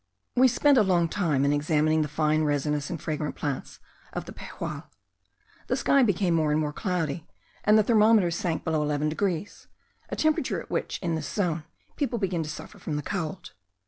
We spent a long time in examining the fine resinous and fragrant plants of the Pejual. The sky became more and more cloudy, and the thermometer sank below 11 degrees, a temperature at which, in this zone, people begin to suffer from the cold.